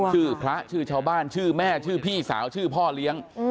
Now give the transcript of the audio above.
ชื่อพระชื่อชาวบ้านชื่อแม่ชื่อพี่สาวชื่อพ่อเลี้ยง